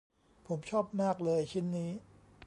ผมชอบมากเลยชิ้นนี้